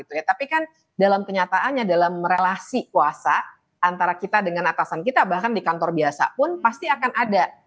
tapi kan dalam kenyataannya dalam relasi kuasa antara kita dengan atasan kita bahkan di kantor biasa pun pasti akan ada